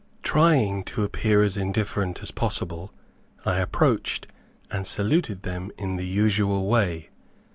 Trying to appear as indifferent as possible, I approached, and saluted them in the usual way.